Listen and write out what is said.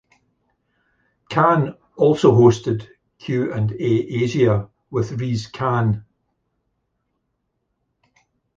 Khan also hosted "Q and A-Asia with Riz Khan".